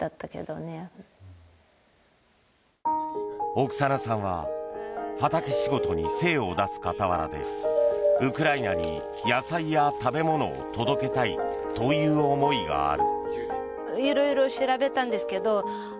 オクサナさんは畑仕事に精を出す傍らでウクライナに野菜や食べ物を届けたいという思いがある。